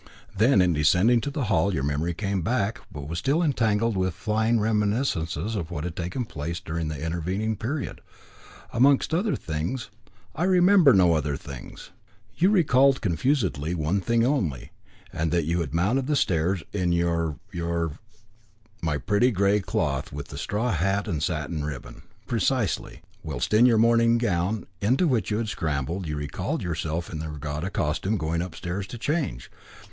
Then, in descending to the hall, your memory came back, but was still entangled with flying reminiscences of what had taken place during the intervening period. Amongst other things " "I remember no other things." "You recalled confusedly one thing only, that you had mounted the stairs in your your " "My pearl grey cloth, with the straw hat and satin ribbon." "Precisely. Whilst in your morning gown, into which you had scrambled, you recalled yourself in your regatta costume going upstairs to change.